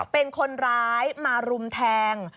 เป็นคนร้ายมารุมแทง